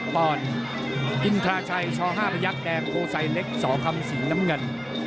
๑๓๗ปอนด์อินทราชัยชอห้าพระยักษ์แดงโกไซเล็กสคสิงน้ำเงิน